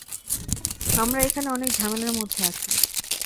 আমরা এখানে অনেক ঝামেলার মধ্যে আছি।